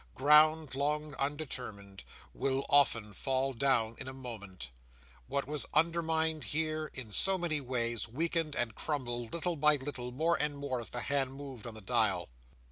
Ground, long undermined, will often fall down in a moment; what was undermined here in so many ways, weakened, and crumbled, little by little, more and more, as the hand moved on the dial.